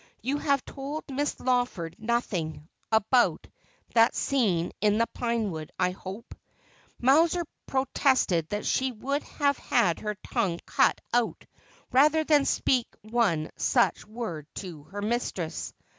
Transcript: You have told Miss Lawford nothing — about — that scene in the pine wood, I hope ?' Mowser protested that she would have had her tongue cut out rather than speak one such word to her mistress.